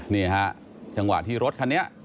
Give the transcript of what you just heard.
นี่ฮะจังหวะที่รถคันนี้